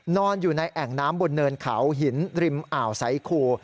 นอนอยู่ในแอ่งน้ำบนเนินเขาหินริมอ่าวไซคู